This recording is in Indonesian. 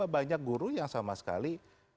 banyak guru yang sama sekali